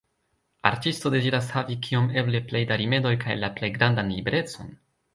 Artisto deziras havi kiom eble plej da rimedoj kaj la plej grandan liberecon.